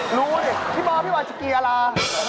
รู้ดิพี่บอร์พี่วาชิกีอะลา